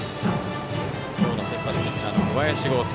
今日の先発ピッチャーの小林剛介。